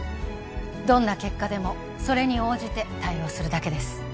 どんな結果でもそれに応じて対応するだけです